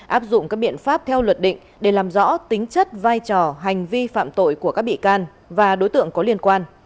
áp dụng các biện pháp theo luật định để làm rõ tính chất vai trò hành vi phạm tội của các bị can và đối tượng có liên quan